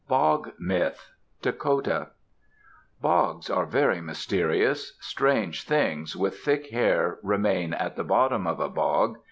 BOG MYTH Dakota Bogs are very mysterious. Strange things, with thick hair, remain at the bottom of a bog.